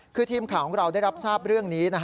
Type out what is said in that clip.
คือทีมข่าวของเราได้รับทราบเรื่องนี้